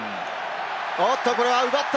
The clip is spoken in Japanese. おっと、これは奪った！